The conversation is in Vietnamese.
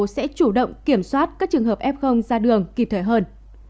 sẽ chủ động kiểm soát các trường hợp f ra đường kịp thời hơn